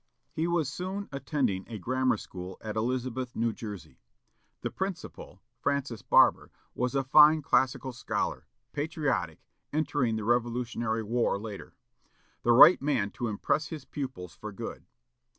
He was soon attending a grammar school at Elizabeth, New Jersey. The principal, Francis Barber, was a fine classical scholar, patriotic, entering the Revolutionary War later; the right man to impress his pupils for good.